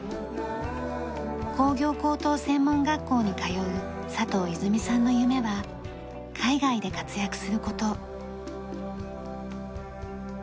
工業高等専門学校に通う佐藤泉さんの夢は海外で活躍する事。